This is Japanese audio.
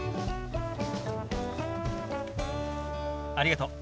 ありがとう。